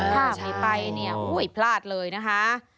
ถ้าไม่ไปเนี่ยอุ้ยพลาดเลยนะคะ